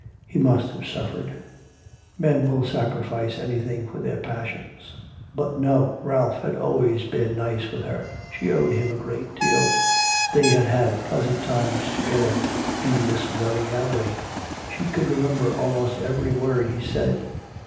He must have suffered. Men will sacrifice anything for their passions. But no, Ralph had always been nice with her, she owed him a great deal; they had had pleasant times together in this very gallery. She could remember almost every word he said.